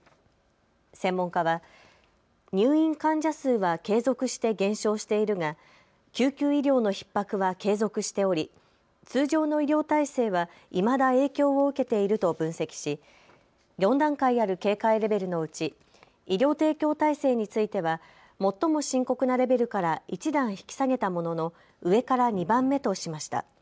専門家は、入院患者数は継続して減少しているが救急医療のひっ迫は継続しており通常の医療体制はいまだ影響を受けていると分析し４段階ある警戒レベルのうち医療提供体制については最も深刻なレベルから１段引き下げたものの上から２番目としました。